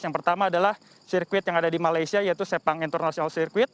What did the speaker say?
yang pertama adalah sirkuit yang ada di malaysia yaitu sepang international circuit